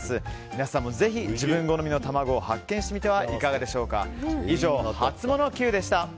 皆さんもぜひ自分好みの卵を発見してみてはいかがでしょうか。